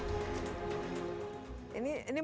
dan perusahaan yang berbasis digital